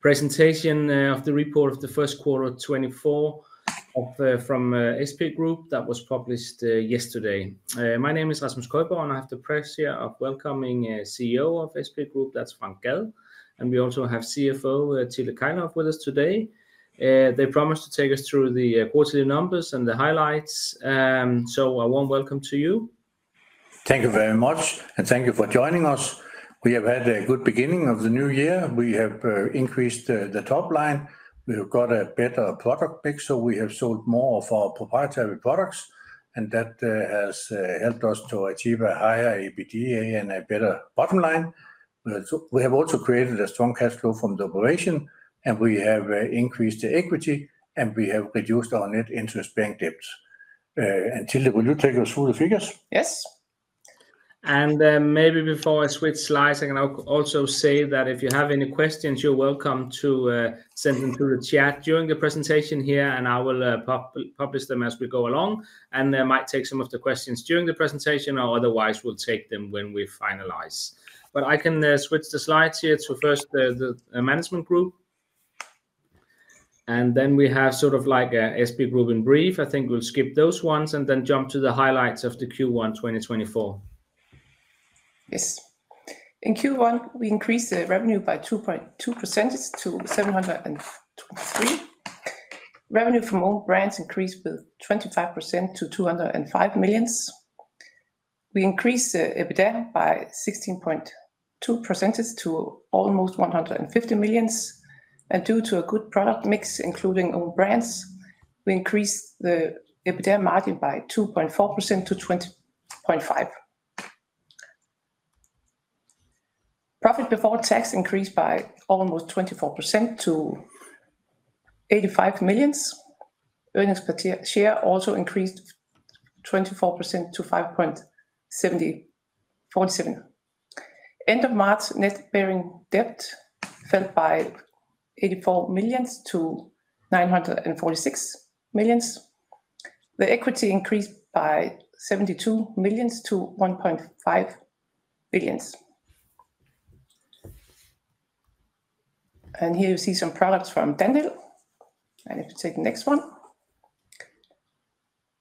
Presentation of the report of the first quarter of 2024 from SP Group that was published yesterday. My name is Rasmus Køjborg, and I have the pleasure of welcoming CEO of SP Group, that's Frank Gad. We also have CFO, Tilde Kejlhof, with us today. They promised to take us through the quarterly numbers and the highlights. So a warm welcome to you. Thank you very much, and thank you for joining us. We have had a good beginning of the new year. We have increased the top line. We have got a better product mix, so we have sold more of our proprietary products, and that has helped us to achieve a higher EBITDA and a better bottom line. But we have also created a strong cash flow from the operation, and we have increased the equity, and we have reduced our net interest bank debt. And Tilde, will you take us through the figures? Yes. Maybe before I switch slides, I can also say that if you have any questions, you're welcome to send them through the chat during the presentation here, and I will publish them as we go along. And I might take some of the questions during the presentation, or otherwise, we'll take them when we finalize. But I can switch the slides here. So first, the management group, and then we have sort of like a SP Group in brief. I think we'll skip those ones and then jump to the highlights of the Q1 2024. Yes. In Q1, we increased the revenue by 2.2% to 723 million. Revenue from own brands increased by 25% to 205 million. We increased the EBITDA by 16.2% to almost 150 million, and due to a good product mix, including own brands, we increased the EBITDA margin by 2.4 percentage point to 20.5%. Profit before tax increased by almost 24% to 85 million. Earnings per share also increased 24% to 5.74. End of March, net bearing debt fell by 84 million-946 million. The equity increased by 72 million-1.5 billion. And here you see some products from Dan-Hill. And if you take the next one,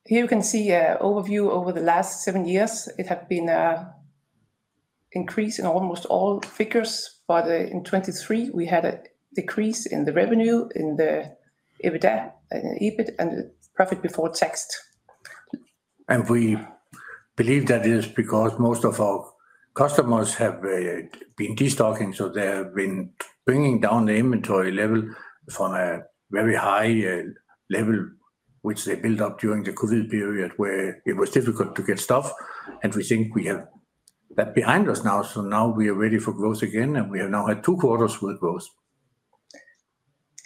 here you can see an overview over the last seven years. It has been an increase in almost all figures, but in 2023, we had a decrease in the revenue, in the EBITDA, and EBIT, and the profit before tax. We believe that is because most of our customers have been de-stocking, so they have been bringing down the inventory level from a very high level, which they built up during the COVID period, where it was difficult to get stuff, and we think we have that behind us now. Now we are ready for growth again, and we have now had two quarters with growth.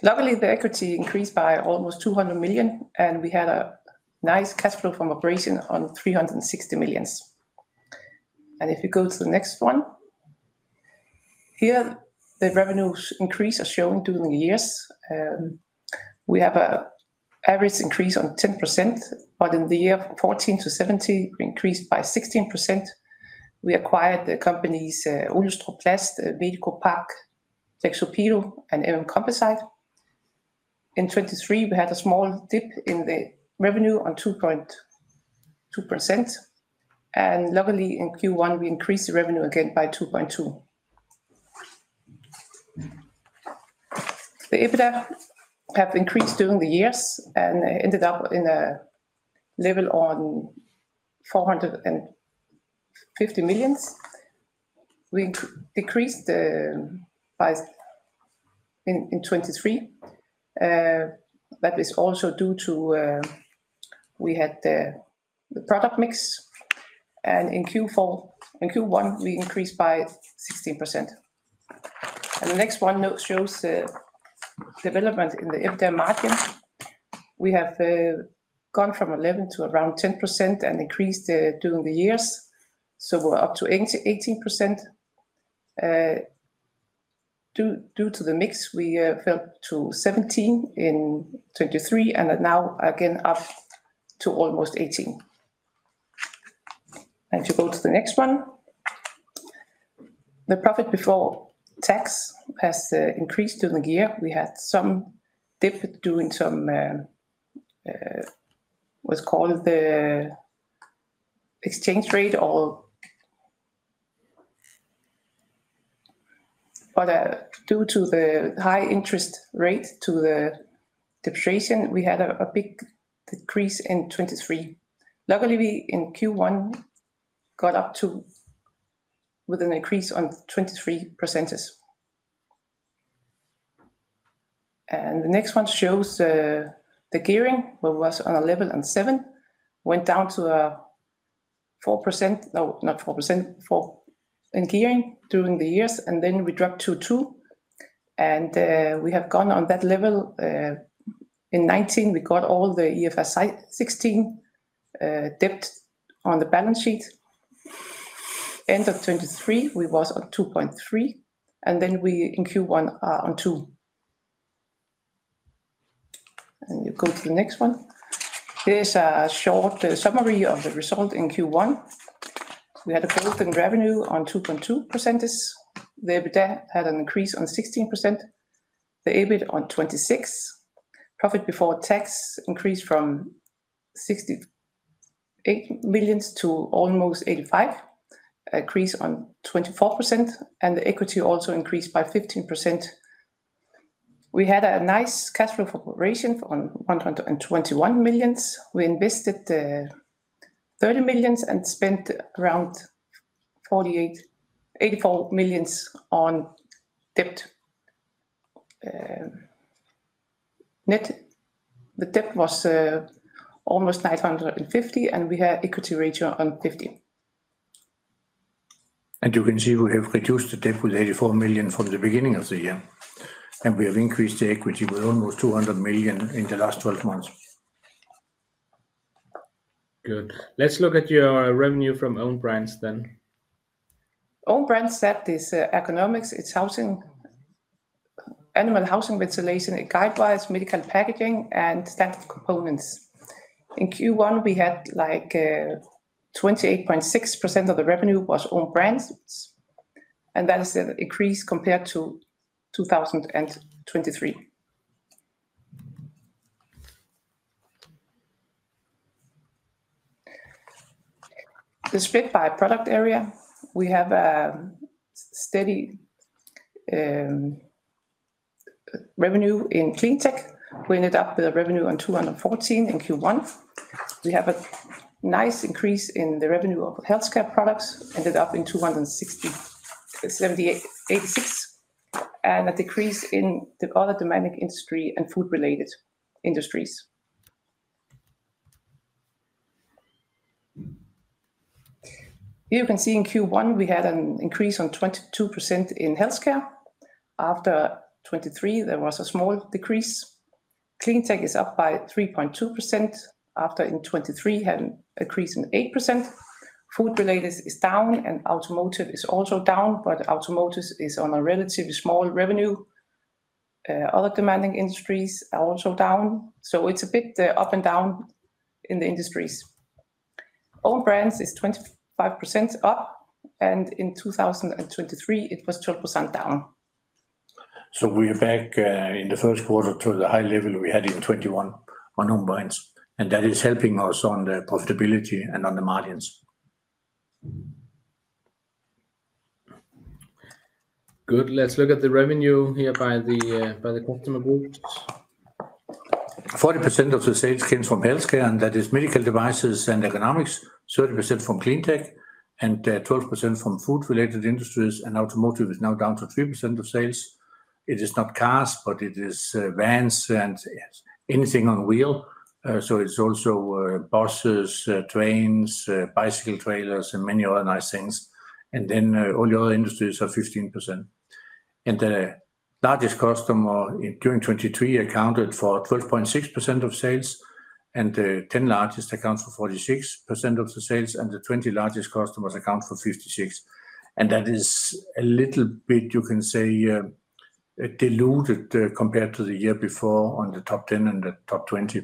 Luckily, the equity increased by almost 200 million, and we had a nice cash flow from operation of 360 million. If you go to the next one, here, the revenues increase are shown during the years. We have a average increase of 10%, but in the years 2014 to 2017, we increased by 16%. We acquired the companies, Ulstrup Plast, MedicoPack, Plexx, Opido, and MM Composite. In 2023, we had a small dip in the revenue of 2.2%, and luckily, in Q1, we increased the revenue again by 2.2%. The EBITDA have increased during the years and ended up in a level of 450 million. We decreased by in 2023. That is also due to the product mix, and in Q4—in Q1, we increased by 16%. The next one now shows the development in the EBITDA margin. We have gone from 11 to around 10% and increased during the years, so we're up to 18%. Due to the mix, we fell to 17% in 2023, and now again, up to almost 18%. If you go to the next one, the profit before tax has increased during the year. We had some dip during some, what's it called? The exchange rate or... but, due to the high interest rate to the depreciation, we had a big decrease in 2023. Luckily, we in Q1 got up to with an increase on 23%. And the next one shows, the gearing, which was on 11.7, went down to, 4%. No, not 4%, four in gearing during the years, and then we dropped to 2, and, we have gone on that level. In 2019, we got all the IFRS 16, debt on the balance sheet. End of 2023, we was on 2.3, and then we, in Q1, are on 2. And you go to the next one. Here's a short summary of the result in Q1. We had a growth in revenue on 2.2%. The EBITDA had an increase on 16%, the EBIT on 26%. Profit before tax increased from 68 million to almost 85 million, increase on 24%, and the equity also increased by 15%. We had a nice cash flow from operation of 121 million. We invested 30 million and spent around 84 million on debt. Net, the debt was almost 950 million, and we had equity ratio of 50%. You can see we have reduced the debt with 84 million from the beginning of the year, and we have increased the equity with almost 200 million in the last 12 months. Good. Let's look at your revenue from own brands then. Own brands, that is, ergonomics, it's housing, animal housing, ventilation, and guide wires, medical packaging, and standard components. In Q1, we had 28.6% of the revenue was own brands, and that is an increase compared to 2023. The split by product area, we have a steady revenue in cleantech. We ended up with a revenue on 214 million in Q1. We have a nice increase in the revenue of healthcare products, ended up in 286 million, and a decrease in the other demanding industry and food-related industries. You can see in Q1, we had an increase on 22% in healthcare. After 2023, there was a small decrease. Cleantech is up by 3.2%, after in 2023, had an increase in 8%. Food-related is down, and automotive is also down, but automotive is on a relatively small revenue. Other demanding industries are also down, so it's a bit, up and down in the industries. Own brands is 25% up, and in 2023, it was 12% down. We are back, in the first quarter to the high level we had in 2021 on own brands, and that is helping us on the profitability and on the margins. Good. Let's look at the revenue here by the customer groups. 40% of the sales came from healthcare, and that is medical devices and ergonomics, 30% from cleantech, and 12% from food-related industries, and automotive is now down to 3% of sales. It is not cars, but it is vans and anything on wheel. So it's also buses, trains, bicycle trailers, and many other nice things. And then all the other industries are 15%. And the largest customer during 2023 accounted for 12.6% of sales, and the ten largest accounts for 46% of the sales, and the twenty largest customers account for 56%. That is a little bit, you can say, diluted compared to the year before on the top 10 and the top 20,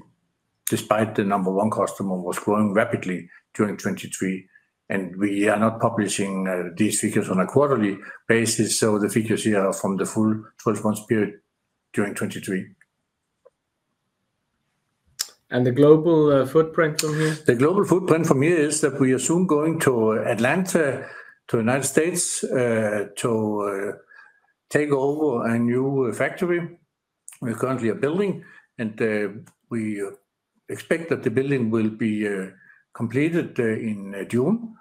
despite the number one customer was growing rapidly during 2023, and we are not publishing these figures on a quarterly basis, so the figures here are from the full 12-month period during 2023. The global footprint from here? The global footprint from here is that we are soon going to Atlanta, to United States, to take over a new factory we currently are building, and we expect that the building will be completed in June.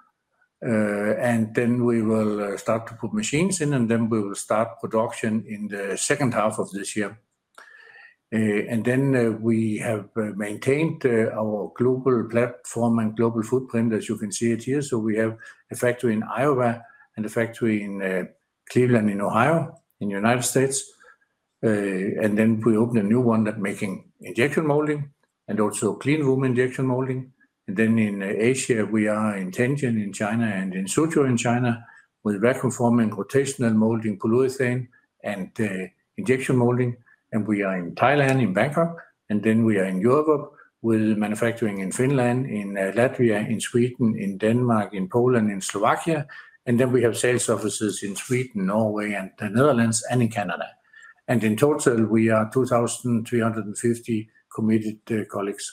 And then we will start to put machines in, and then we will start production in the second half of this year. And then we have maintained our global platform and global footprint, as you can see it here. So we have a factory in Iowa and a factory in Cleveland, in Ohio, in the United States. And then we open a new one that making injection molding and also clean room injection molding. And then in Asia, we are in Tianjin, in China, and in Suzhou, in China, with vacuum forming, rotational molding, polyurethane, and injection molding. We are in Thailand, in Bangkok, and then we are in Europe, with manufacturing in Finland, in Latvia, in Sweden, in Denmark, in Poland, in Slovakia. Then we have sales offices in Sweden, Norway, and the Netherlands, and in Canada. In total, we are 2,350 committed colleagues.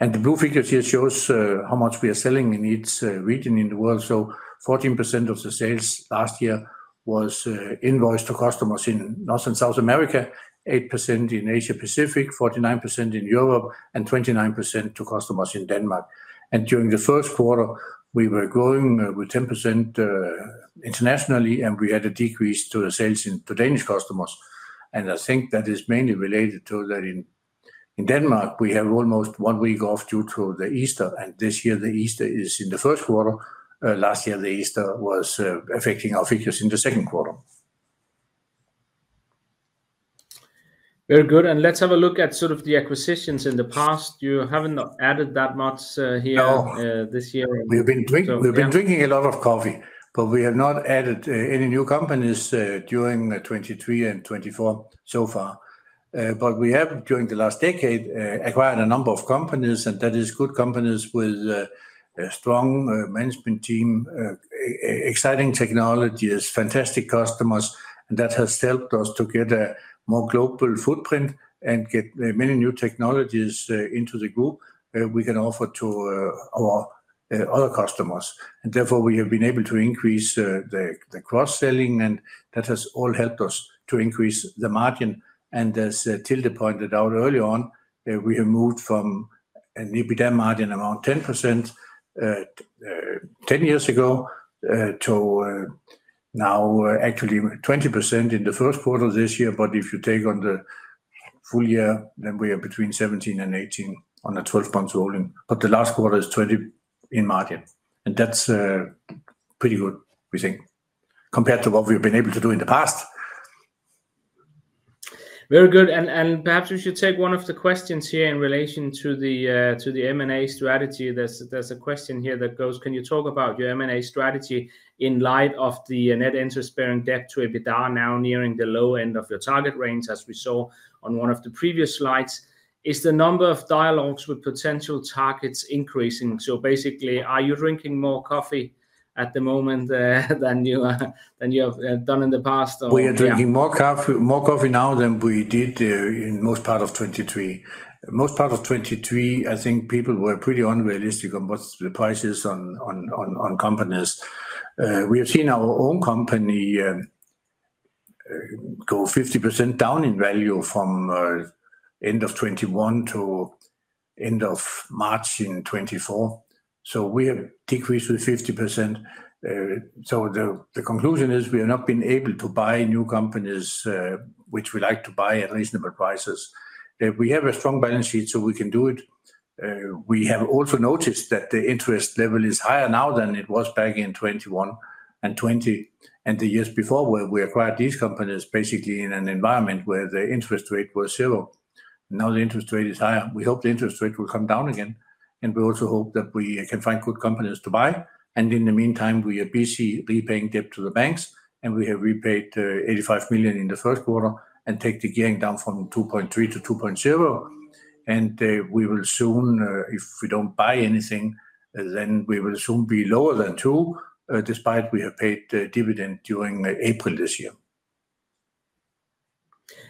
The blue figures here shows how much we are selling in each region in the world. So 14% of the sales last year was invoiced to customers in North and South America, 8% in Asia Pacific, 49% in Europe, and 29% to customers in Denmark. During the first quarter, we were growing with 10%, internationally, and we had a decrease to the sales in to Danish customers, and I think that is mainly related to that in, in Denmark, we have almost one week off due to the Easter, and this year, the Easter is in the first quarter. Last year, the Easter was affecting our figures in the second quarter. Very good. Let's have a look at sort of the acquisitions in the past. You haven't added that much here- No... this year. We've been drinking a lot of coffee, but we have not added any new companies during 2023 and 2024 so far. But we have, during the last decade, acquired a number of companies, and that is good companies with a strong management team, exciting technologies, fantastic customers, and that has helped us to get a more global footprint and get many new technologies into the group we can offer to our other customers. And therefore, we have been able to increase the cross-selling, and that has all helped us to increase the margin. And as Tilde pointed out early on, we have moved from an EBITDA margin around 10%, 10 years ago to now actually 20% in the first quarter of this year. But if you take on the full year, then we are between 17% and 18% on a 12-month rolling, but the last quarter is 20 in margin, and that's pretty good, we think, compared to what we've been able to do in the past. Very good. And perhaps we should take one of the questions here in relation to the M&A strategy. There's a question here that goes: Can you talk about your M&A strategy in light of the net interest-bearing debt to EBITDA now nearing the low end of your target range, as we saw on one of the previous slides? Is the number of dialogues with potential targets increasing? So basically, are you drinking more coffee at the moment than you have done in the past or yeah? We are drinking more coffee, more coffee now than we did in most part of 2023. Most part of 2023, I think people were pretty unrealistic on what's the prices on companies. We have seen our own company go 50% down in value from end of 2021 to end of March in 2024, so we have decreased to 50%. So the conclusion is we have not been able to buy new companies which we like to buy at reasonable prices. We have a strong balance sheet, so we can do it. We have also noticed that the interest level is higher now than it was back in 2021 and 2020, and the years before, where we acquired these companies, basically in an environment where the interest rate was zero. Now, the interest rate is higher. We hope the interest rate will come down again, and we also hope that we can find good companies to buy. And in the meantime, we are busy repaying debt to the banks, and we have repaid 85 million in the first quarter and take the gearing down from 2.3 to 2.0. And, we will soon, if we don't buy anything, then we will soon be lower than 2, despite we have paid dividend during April this year.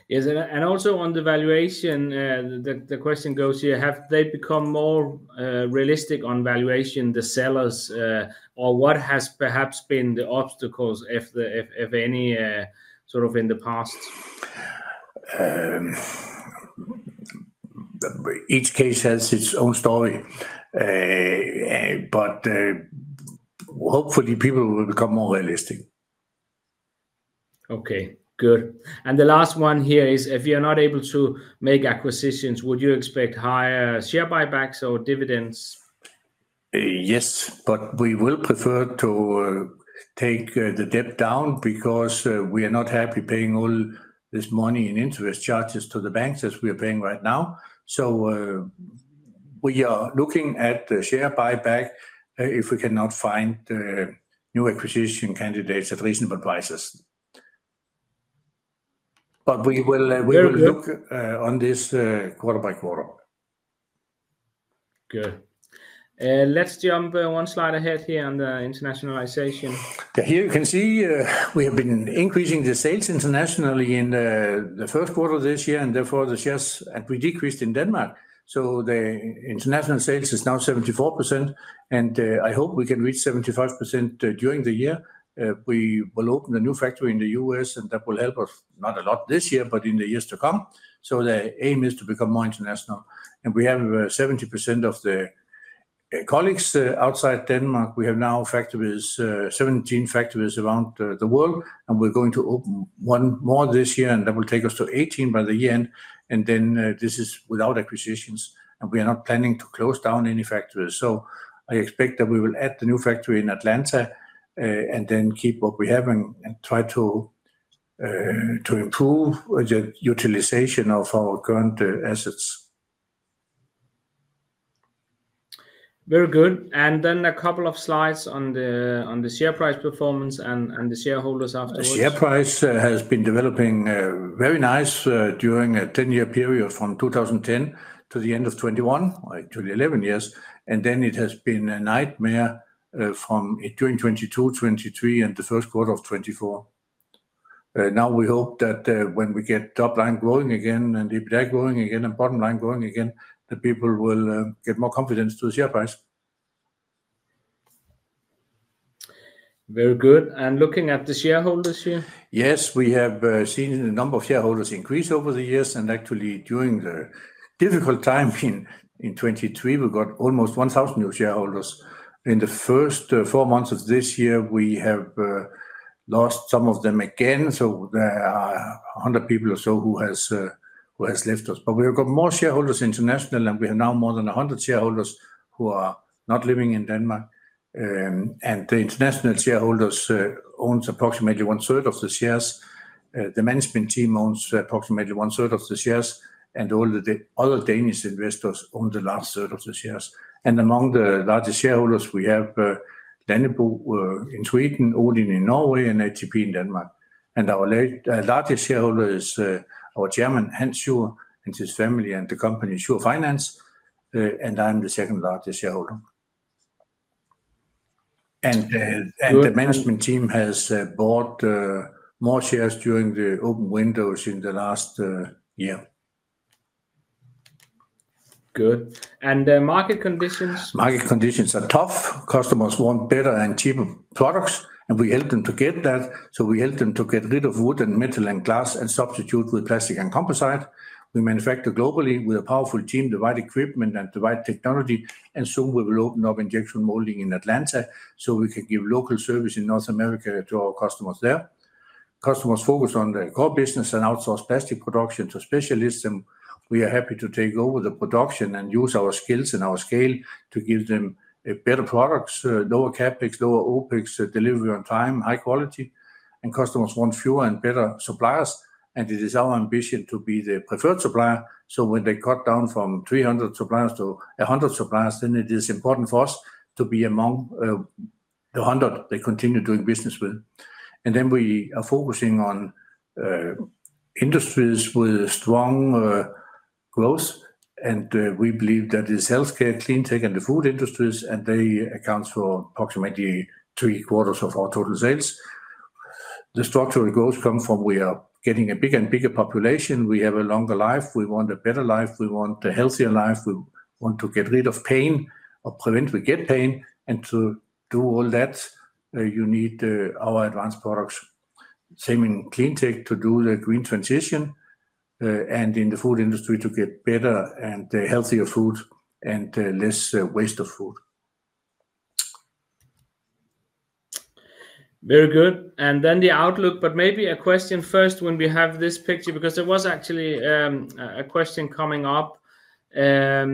Yes, and also on the valuation, the question goes here: Have they become more realistic on valuation, the sellers? Or what has perhaps been the obstacles, if any, sort of in the past? Each case has its own story. But hopefully people will become more realistic. Okay, good. And the last one here is, if you're not able to make acquisitions, would you expect higher share buybacks or dividends? Yes, but we will prefer to take the debt down because we are not happy paying all this money in interest charges to the banks, as we are paying right now. So, we are looking at the share buyback, if we cannot find new acquisition candidates at reasonable prices. But we will- Very good... we will look on this quarter by quarter. Good. Let's jump one slide ahead here on the internationalization. Here you can see, we have been increasing the sales internationally in the first quarter of this year, and therefore, the shares, and we decreased in Denmark. So the international sales is now 74%, and I hope we can reach 75% during the year. We will open a new factory in the U.S., and that will help us, not a lot this year, but in the years to come. So the aim is to become more international. And we have 70% of the colleagues outside Denmark. We have now 17 factories around the world, and we're going to open one more this year, and that will take us to 18 by the year-end, and then this is without acquisitions, and we are not planning to close down any factories. I expect that we will add the new factory in Atlanta, and then keep what we have and try to improve the utilization of our current assets. Very good. And then a couple of slides on the share price performance and the shareholders afterwards. The share price has been developing very nice during a 10-year period from 2010 to the end of 2021 to the 11 years, and then it has been a nightmare from during 2022, 2023, and the first quarter of 2024. Now we hope that when we get top line growing again and EBITDA growing again and bottom line growing again, the people will get more confidence to the share price. Very good. And looking at the shareholders here? Yes, we have seen the number of shareholders increase over the years, and actually, during the difficult time in 2023, we got almost 1,000 new shareholders. In the first four months of this year, we have lost some of them again, so there are 100 people or so who has left us. But we have got more shareholders internationally, and we have now more than 100 shareholders who are not living in Denmark. And the international shareholders owns approximately one third of the shares. The management team owns approximately one third of the shares, and all of the other Danish investors own the last third of the shares. And among the largest shareholders, we have Lannebo in Sweden, Odin in Norway, and ATP in Denmark. Our largest shareholder is our chairman, Hans W. Schur, and his family, and the company Schur Finance. I'm the second largest shareholder. Good. The management team has bought more shares during the open windows in the last year. Good. And the market conditions? Market conditions are tough. Customers want better and cheaper products, and we help them to get that. So we help them to get rid of wood, and metal, and glass, and substitute with plastic and composite. We manufacture globally with a powerful team, the right equipment, and the right technology, and soon we will open up injection molding in Atlanta, so we can give local service in North America to our customers there. Customers focus on the core business and outsource plastic production to specialists, and we are happy to take over the production and use our skills and our scale to give them, better products, lower CapEx, lower OpEx, delivery on time, high quality. Customers want fewer and better suppliers, and it is our ambition to be the preferred supplier. When they cut down from 300 suppliers to 100 suppliers, then it is important for us to be among the 100 they continue doing business with. Then we are focusing on industries with strong growth, and we believe that is healthcare, cleantech, and the food industries, and they account for approximately three quarters of our total sales. The structural growth come from we are getting a bigger and bigger population, we have a longer life, we want a better life, we want a healthier life, we want to get rid of pain or prevent we get pain. And to do all that, you need our advanced products. Same in cleantech to do the green transition, and in the food industry to get better and healthier food, and less waste of food. Very good. And then the outlook, but maybe a question first when we have this picture, because there was actually a question coming up. Let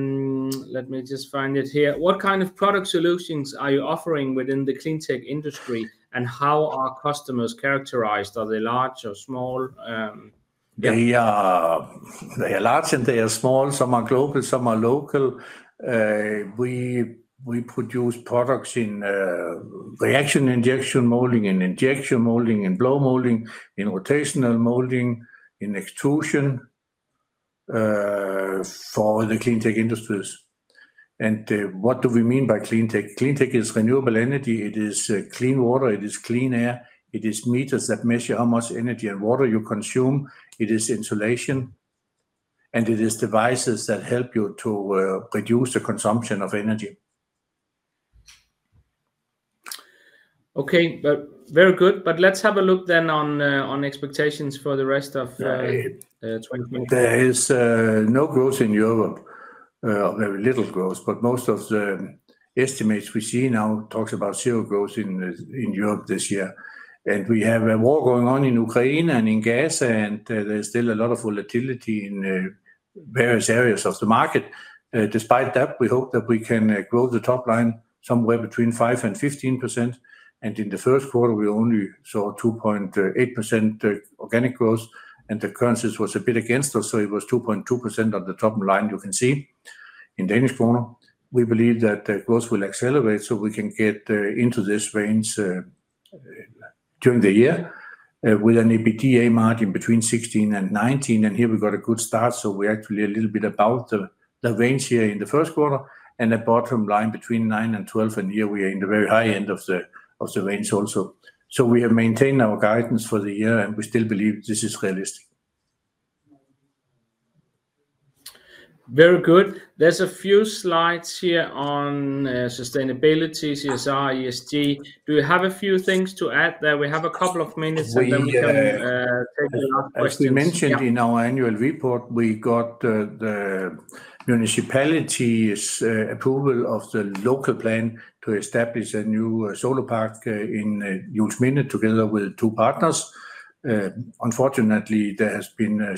me just find it here. What kind of product solutions are you offering within the clean tech industry, and how are customers characterized? Are they large or small? Yeah. They are, they are large, and they are small. Some are global, some are local. We produce products in reaction injection molding, and injection molding, and blow molding, in rotational molding, in extrusion, for the cleantech industries. And, what do we mean by cleantech? Cleantech is renewable energy, it is clean water, it is clean air, it is meters that measure how much energy and water you consume. It is insulation, and it is devices that help you to reduce the consumption of energy. Okay, but very good. But let's have a look then on expectations for the rest of twenty- There is no growth in Europe. Very little growth, but most of the estimates we see now talks about zero growth in Europe this year. We have a war going on in Ukraine and in Gaza, and there's still a lot of volatility in various areas of the market. Despite that, we hope that we can grow the top line somewhere between 5% and 15%, and in the first quarter, we only saw 2.8% organic growth, and the currencies was a bit against us, so it was 2.2% of the top line, you can see. In Danish kroner, we believe that the growth will accelerate so we can get into this range during the year with an EBITDA margin between 16% and 19%. Here we've got a good start, so we're actually a little bit about the range here in the first quarter, and the bottom line between 9 and 12, and here we are in the very high end of the range also. We have maintained our guidance for the year, and we still believe this is realistic. Very good. There's a few slides here on sustainability, CSR, ESG. Do you have a few things to add there? We have a couple of minutes, and then we can take a lot of questions. As we mentioned in our annual report, we got the municipality's approval of the local plan to establish a new solar park in Juelsminde, together with two partners. Unfortunately, there has been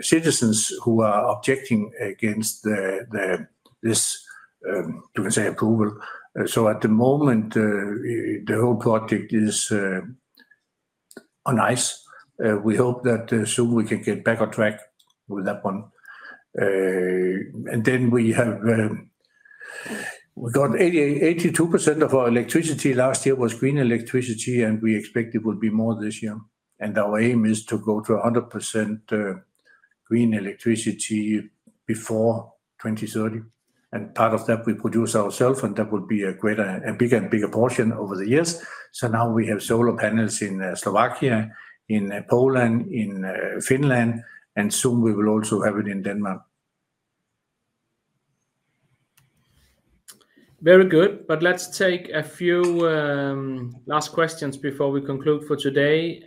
citizens who are objecting against this, you can say, approval. So at the moment, the whole project is on ice. We hope that soon we can get back on track with that one. And then we got 82% of our electricity last year was green electricity, and we expect it will be more this year. Our aim is to go to 100% green electricity before 2030. Part of that we produce ourselves, and that will be a bigger and bigger portion over the years. Now we have solar panels in Slovakia, in Poland, in Finland, and soon we will also have it in Denmark. Very good. But let's take a few last questions before we conclude for today.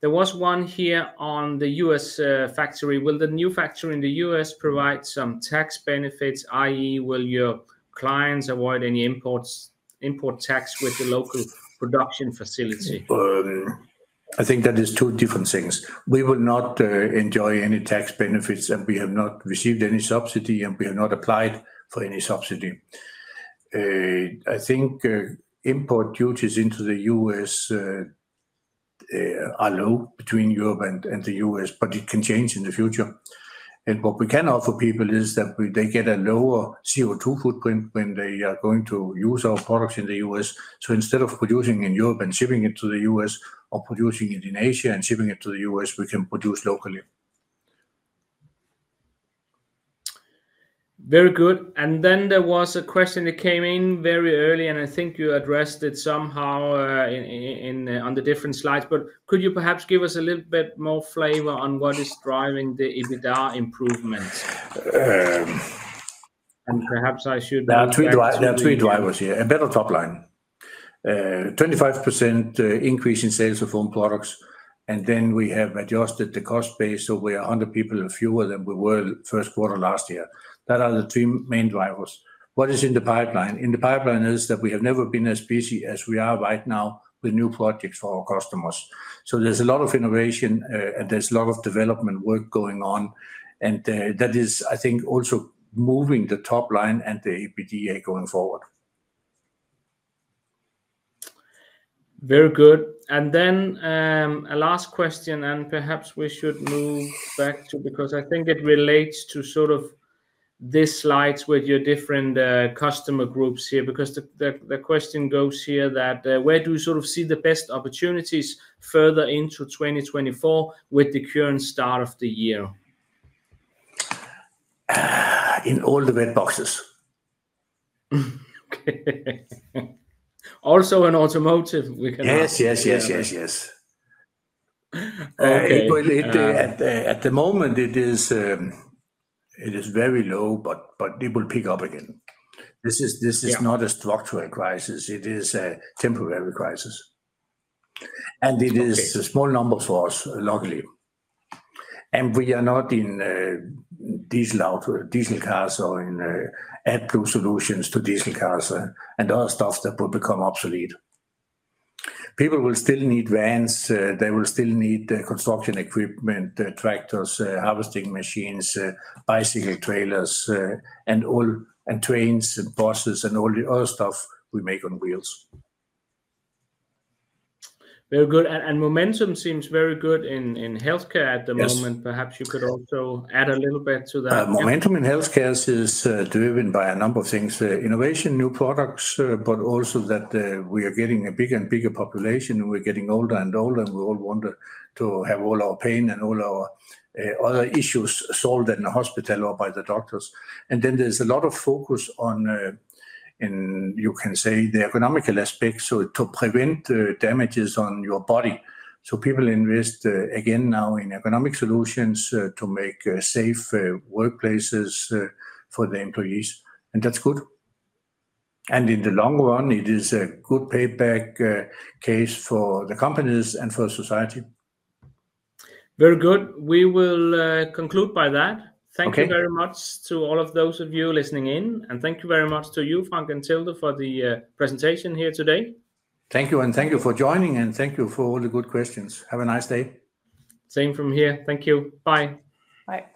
There was one here on the U.S. factory. Will the new factory in the U.S. provide some tax benefits, i.e., will your clients avoid any imports, import tax with the local production facility? I think that is two different things. We will not enjoy any tax benefits, and we have not received any subsidy, and we have not applied for any subsidy. I think import duties into the U.S. are low between Europe and the U.S., but it can change in the future. And what we can offer people is that they get a lower CO2 footprint when they are going to use our products in the U.S. So instead of producing in Europe and shipping it to the U.S., or producing it in Asia and shipping it to the U.S., we can produce locally. Very good. And then there was a question that came in very early, and I think you addressed it somehow, in on the different slides, but could you perhaps give us a little bit more flavor on what is driving the EBITDA improvement? Um- Perhaps I should- There are three drivers here. A better top line. 25% increase in sales of own products, and then we have adjusted the cost base, so we are 100 people fewer than we were first quarter last year. That are the two main drivers. What is in the pipeline? In the pipeline is that we have never been as busy as we are right now with new projects for our customers. So there's a lot of innovation, and there's a lot of development work going on, and that is, I think, also moving the top line and the EBITDA going forward. Very good. And then, a last question, and perhaps we should move back to, because I think it relates to sort of this slides with your different customer groups here. Because the question goes here that, where do you sort of see the best opportunities further into 2024 with the current start of the year? In all the red boxes. Okay. Also in automotive, we can ask? Yes, yes, yes, yes, yes. Okay, uh- At the moment it is very low, but it will pick up again. Yeah. This is, this is not a structural crisis, it is a temporary crisis. Okay. It is a small number for us, luckily. We are not in diesel auto, diesel cars or in AdBlue solutions to diesel cars and other stuff that will become obsolete. People will still need vans, they will still need construction equipment, tractors, harvesting machines, bicycle trailers, and all, and trains and buses and all the other stuff we make on wheels. Very good. And momentum seems very good in healthcare at the moment. Yes. Perhaps you could also add a little bit to that. Momentum in healthcare is driven by a number of things, innovation, new products, but also that we are getting a bigger and bigger population, and we're getting older and older, and we all want to have all our pain and all our other issues solved in the hospital or by the doctors. And then there's a lot of focus on, in, you can say, the ergonomical aspect, so to prevent damages on your body. So people invest, again now in ergonomic solutions, to make safe workplaces for the employees, and that's good. And in the long run, it is a good payback case for the companies and for society. Very good. We will conclude by that. Okay. Thank you very much to all of those of you listening in, and thank you very much to you, Frank and Tilde, for the presentation here today. Thank you, and thank you for joining, and thank you for all the good questions. Have a nice day. Same from here. Thank you. Bye. Bye.